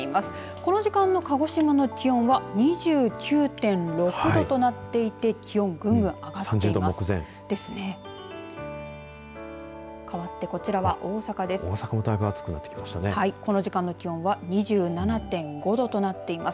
この時間の鹿児島の気温は２９．６度となっていて気温、ぐんぐん上がっています。